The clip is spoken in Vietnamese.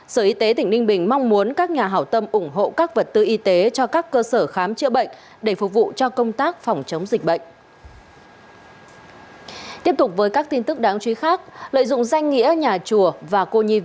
sở y tế tỉnh ninh bình mong muốn các nhà hảo tâm ủng hộ các vật tư y tế cho các cơ sở khám chữa bệnh để phục vụ cho công tác phòng chống dịch bệnh